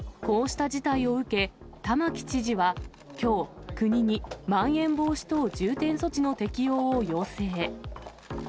こうした事態を受け、玉城知事はきょう、国にまん延防止等重点措置の適用を要請。